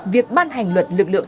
việc ban hành luật lực lượng